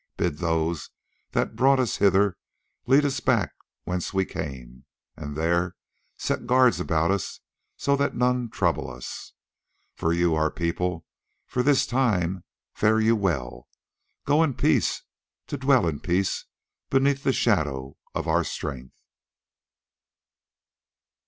Bid those that brought us hither lead us back whence we came, and there set guards about us, so that none trouble us. For you, our people, for this time fare you well. Go in peace to dwell in peace beneath the shadow of our strength."